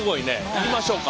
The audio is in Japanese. いきましょうか。